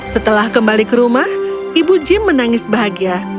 setelah kembali ke rumah ibu jim menangis bahagia